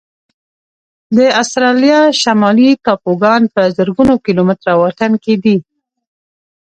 د استرالیا شمالي ټاپوګان په زرګونو کيلومتره واټن کې دي.